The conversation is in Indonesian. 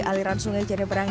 aliran sungai janebrahima